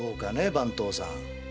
番頭さん。